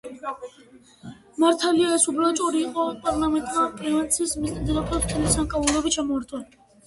მართალია ეს უბრალო ჭორი იყო, მაგრამ პარლამენტმა პრევენციის მიზნით დედოფალს მთელი სამკაულები ჩამოართვა.